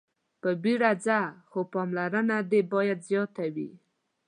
په بيړه ځه خو پاملرنه دې باید زياته وي.